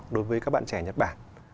đối với các bạn trẻ nhật bản